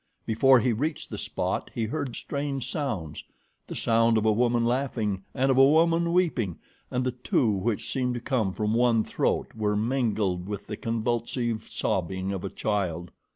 Before he reached the spot he heard strange sounds the sound of a woman laughing and of a woman weeping, and the two which seemed to come from one throat were mingled with the convulsive sobbing of a child.